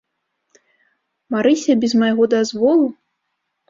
Марыся без майго дазволу?